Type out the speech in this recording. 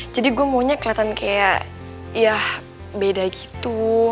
jadi gue maunya kelihatan kayak ya beda gitu